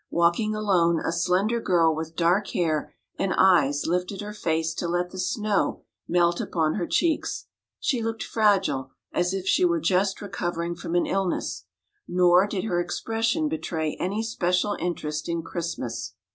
Walking alone a slender girl with dark hair and eyes lifted her face to let the snow melt upon her cheeks. She looked fragile, as if she were just recovering from an illness, nor did her expression betray any special interest in Christmas.